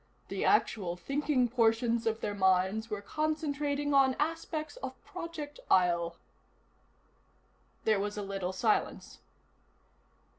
The actual thinking portions of their minds were concentrating on aspects of Project Isle." There was a little silence.